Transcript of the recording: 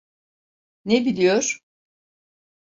Ne biliyor?